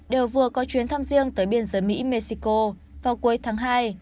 đều vừa có chuyến thăm riêng tới biên giới mỹ mexico vào cuối tháng hai